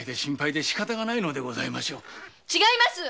違います！